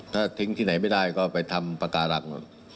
ถ้าทิ้งที่ไหนไม่ได้ก็ไปทำปากการัง